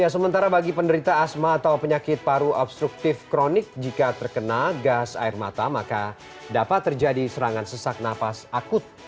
sementara bagi penderita asma atau penyakit paru obstruktif kronik jika terkena gas air mata maka dapat terjadi serangan sesak nafas akut